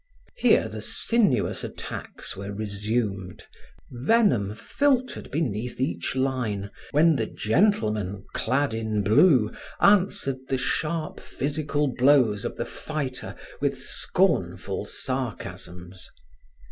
Here the sinuous attacks were resumed, venom filtered beneath each line, when the gentleman, clad in blue answered the sharp physical blows of the fighter with scornful sarcasms.